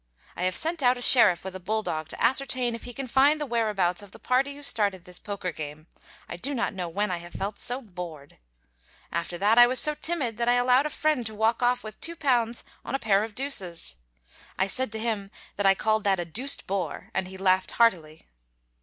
I have sent out a sheriff with a bulldog to ascertain if he can find the whereabouts of the party who started this poker game, I do not know when I have felt so bored. After that I was so timid that I allowed a friend to walk off with £2 on a pair of deuces. I said to him that I called that a deuced bore, and he laughed heartily.